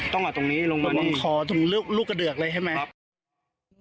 ตรงนี้ลงมาตรงคอถึงลูกกระเดือกเลยใช่ไหม